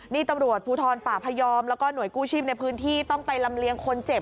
นี่ตำรวจภูทรป่าพยอมแล้วก็หน่วยกู้ชีพในพื้นที่ต้องไปลำเลียงคนเจ็บ